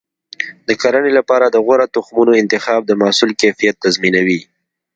د کرنې لپاره د غوره تخمونو انتخاب د محصول کیفیت تضمینوي.